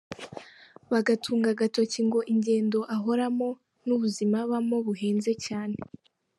Bagatunga agatoki ngo ingendo ahoramo n’ubuzima abamo buhenze cyane.